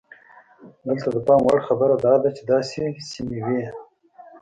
دلته د پام وړ خبره دا ده چې داسې سیمې وې.